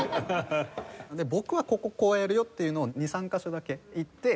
で僕はこここうやるよっていうのを２３カ所だけ言って。